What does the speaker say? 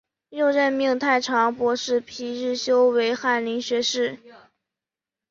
又任命太常博士皮日休为翰林学士。